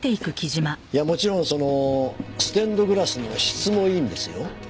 いやもちろんそのステンドグラスの質もいいんですよ。